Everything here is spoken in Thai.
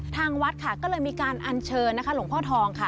ทางวัดค่ะก็เลยมีการอัญเชิญนะคะหลวงพ่อทองค่ะ